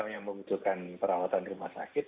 yang membutuhkan perawatan rumah sakit